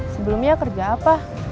sebelumnya kerja apa